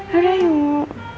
ada yang mau